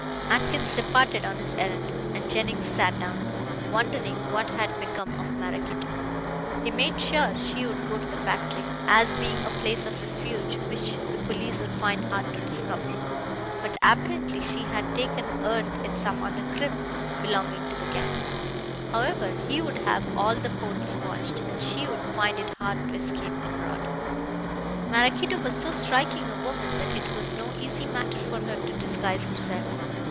Atkins departed on his errand, and Jennings sat down, wondering what had become of Maraquito. He made sure she would go to the factory, as being a place of refuge which the police would find hard to discover. But, apparently, she had taken earth in some other crib belonging to the gang. However, he would have all the ports watched, and she would find it hard to escape abroad. Maraquito was so striking a woman that it was no easy matter for her to disguise herself.